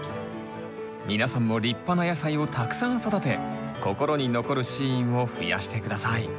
皆さんも立派な野菜をたくさん育て心に残るシーンを増やして下さい。